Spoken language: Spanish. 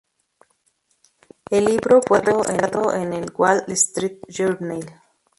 El libro fue revisado en el "Wall Street Journal".